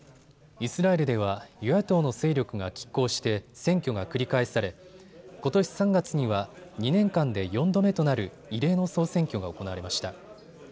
イスラエルでは与野党の勢力がきっ抗して選挙が繰り返されことし３月には２年間で４度目となる異例の総選挙が行われました。